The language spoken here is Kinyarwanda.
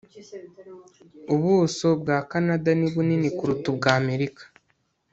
Ubuso bwa Kanada ni bunini kuruta ubwAmerika